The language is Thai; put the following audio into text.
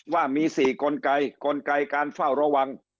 ว่ามี๔กลไกกลไกการเฝ้าระวัง